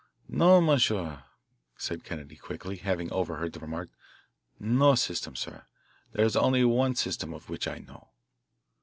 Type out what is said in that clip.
"Non, monsieur," said Kennedy quickly, having overheard the remark, "no system, sir. There is only one system of which I know."